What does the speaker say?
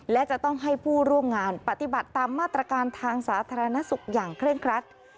และจะต้องให้ผู้ร่วมงานปฏิบัติตามมาตรการทางสาธารณสุขอย่างเคร่งครัด